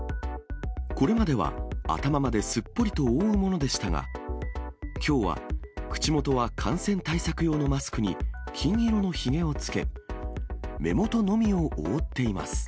これまでは頭まですっぽりと覆うものでしたが、きょうは口元は感染対策用のマスクに金色のひげをつけ、目元のみを覆っています。